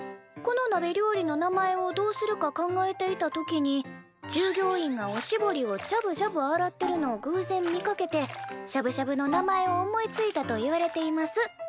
このなべ料理の名前をどうするか考えていた時に従業員がおしぼりをじゃぶじゃぶ洗ってるのをぐうぜん見かけてしゃぶしゃぶの名前を思いついたといわれています」